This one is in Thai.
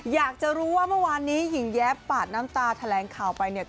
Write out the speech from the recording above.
อยากจะรู้ว่าเมื่อวานนี้หญิงแย๊บปาดน้ำตาแถลงข่าวไปเนี่ย